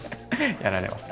やられます。